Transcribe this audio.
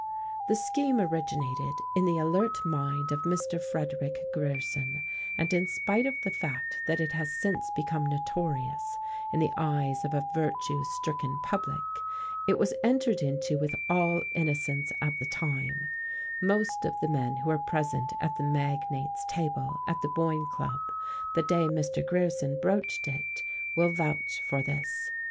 That scheme originated in the alert mind of Mr. Frederick Grierson, and in spite of the fact that it has since become notorious in the eyes of a virtue stricken public, it was entered into with all innocence at the time: most of the men who were present at the "magnate's" table at the Boyne Club the day Mr. Grierson broached it will vouch for this.